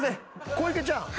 小池ちゃん。